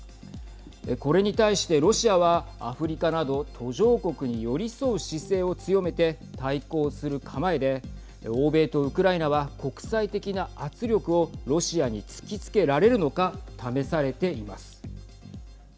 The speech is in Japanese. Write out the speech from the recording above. これに対して、ロシアはアフリカなど途上国に寄り添う姿勢を強めて対抗する構えで欧米とウクライナは国際的な圧力をロシアに突きつけられるのか試されています。